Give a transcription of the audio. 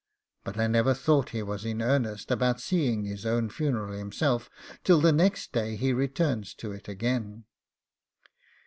But I never thought he was in earnest about seeing his own funeral himself till the next day he returns to it again.